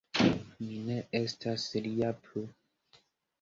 Mi ne estas lia plu.